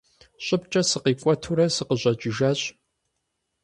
ЩӀыбкӀэ сыкъикӀуэтурэ сыкъыщӀэкӀыжащ.